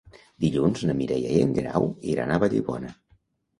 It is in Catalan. Dilluns na Mireia i en Guerau iran a Vallibona.